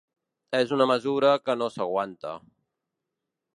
És una mesura que no s’aguanta.